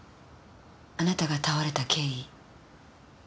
あなたが倒れた経緯。